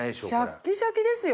シャッキシャキですよ。